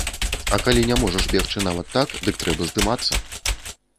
А калі не можаш бегчы нават так, дык трэба здымацца.